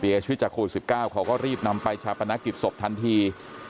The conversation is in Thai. เสียชีวิตจากโควิด๑๙เขาก็รีบนำไปชาปนกิจศพทันที